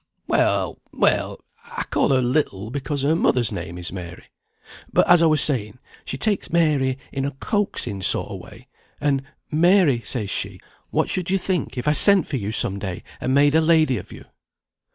"Well, well, I call her 'little,' because her mother's name is Mary. But, as I was saying, she takes Mary in a coaxing sort of way, and, 'Mary,' says she, 'what should you think if I sent for you some day and made a lady of you?'